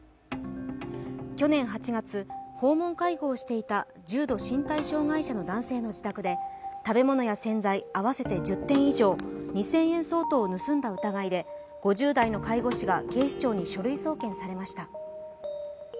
去年８月、訪問介護をしていた重度身体障害者の男性の自宅で食べ物や洗剤合わせて１０点以上２０００円相当を盗んだ疑いで５０代の介護士が警視庁に書類送検されました。